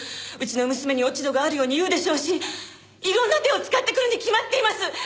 うちの娘に落ち度があるように言うでしょうしいろんな手を使ってくるに決まっています。